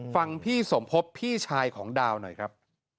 ฟังพี่สมภพพี่ชายของดาวหน่อยครับ